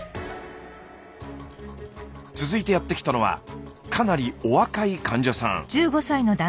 続いてやって来たのはかなりお若い患者さん。